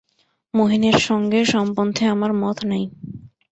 মহিনের সঙ্গে সম্বন্ধে আমার মত নাই।